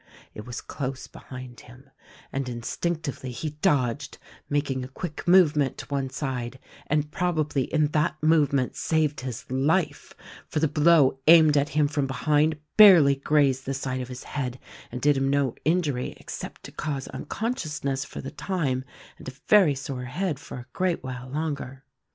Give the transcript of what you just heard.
It was close behind him, and, instinctively, he dodged — making a quick movement to one side, and probably in that movement saved his life; for the blow aimed at him from behind, barely grazed the side of his head and did him no injury except to cause uncon sciousness for the time — and a very sore head for a great while longer.